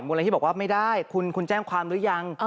มูลละนิธิบอกว่าไม่ได้คุณแจ้งความรู้ยัง